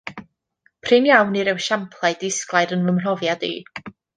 Prin iawn yw'r esiamplau disglair yn fy mhrofiad i